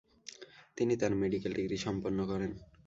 তিনি তার medical degree সম্পন্ন করেন।